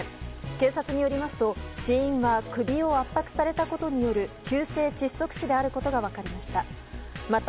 警察によりますと死因は首を圧迫されたことによる急性窒息死であることが分かりました。